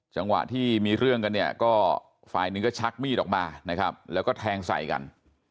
จังหวะที่มีเรื่องกันเนี่ยก็ฝ่ายหนึ่งก็ชักมีดออกมานะครับแล้วก็แทงใส่กัน